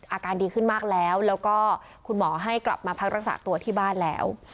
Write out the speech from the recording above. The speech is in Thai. อาการดีขึ้นมากแล้วแล้วก็คุณหมอให้กลับมาพักรักษาตัวที่บ้านแล้ว